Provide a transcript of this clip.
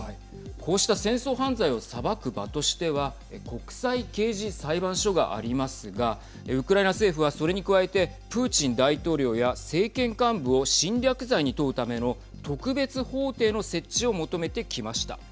こうした戦争犯罪を裁く場としては国際刑事裁判所がありますがウクライナ政府は、それに加えてプーチン大統領や政権幹部を侵略罪に問うための特別法廷の設置を求めてきました。